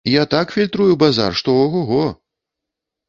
Я так фільтрую базар, што о-го-го!